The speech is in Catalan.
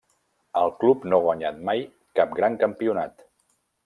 El club no ha guanyat mai cap gran campionat.